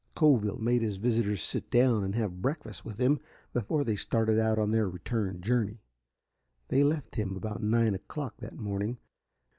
Coville made his visitors sit down and have breakfast with him before they started out on their return journey. They left him about nine o'clock that morning.